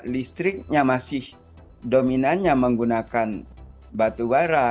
listriknya masih dominannya menggunakan batu bara